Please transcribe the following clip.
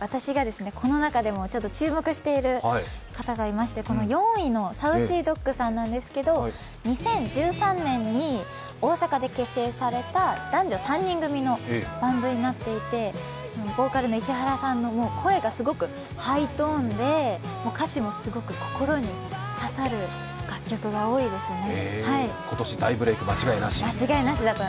私がこの中でも注目している方がいまして４位のＳａｕｃｙＤｏｇさんなんですけど２０１３年に大阪で結成された男女３人組のバンドになっていて、ボーカルの石原さんの声がすごくハイトーンで、歌詞もすごく心に刺さる楽曲が多いです